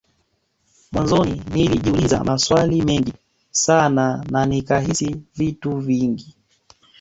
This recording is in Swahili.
Mwanzoni nilijiuliza maswali mengi sana na nikahisi vitu vingi